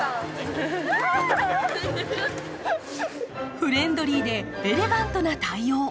フレンドリーでエレガントな対応。